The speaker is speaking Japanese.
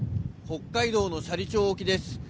北海道の斜里町沖です。